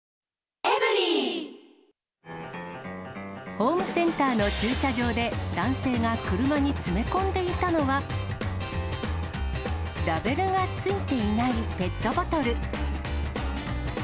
ホームセンターの駐車場で、男性が車に詰め込んでいたのは、ラベルがついていないペットボトル。